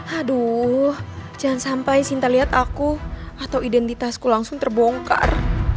aduh jangan sampai sinta lihat aku atau identitasku langsung terbongkar